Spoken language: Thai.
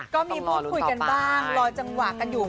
ก็มีพูดคุยกันบ้างรอจังหวะกันอยู่